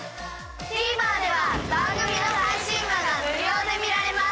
ＴＶｅｒでは番組の最新話が無料で見られます。